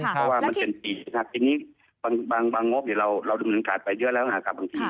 เพราะว่ามันเป็นปีนะครับทีนี้บางงบเราดำเนินการไปเยอะแล้วนะครับบางที